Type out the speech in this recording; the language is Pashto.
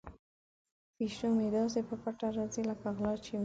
پیشو مې داسې په پټه راځي لکه غل چې وي.